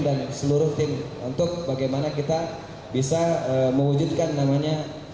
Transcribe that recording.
dan seluruh tim untuk bagaimana kita bisa mewujudkan namanya